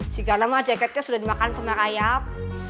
sikar lama jaketnya sudah dimakan sama kayak ayap